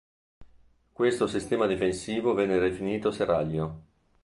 Questo sistema difensivo venne definito "serraglio".